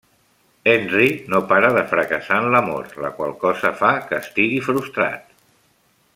Henry no para de fracassar en l'amor, la qual cosa fa que estigui frustrat.